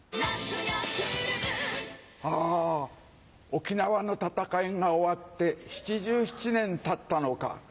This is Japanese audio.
沖縄の戦いが終わって７７年たったのか。